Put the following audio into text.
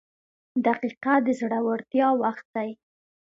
• دقیقه د زړورتیا وخت دی.